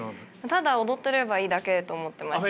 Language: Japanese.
ただ踊ってればいいだけと思ってました。